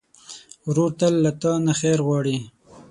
ورور تل له تا نه خیر غواړي.